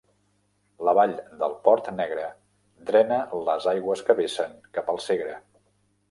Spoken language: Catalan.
La vall del Port Negre drena les aigües que vessen cap al Segre.